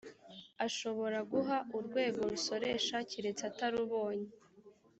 ashobora guha urwego rusoresha keretse atarubonye